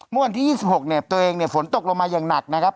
เมื่อวันที่๒๖เนี่ยตัวเองเนี่ยฝนตกลงมาอย่างหนักนะครับ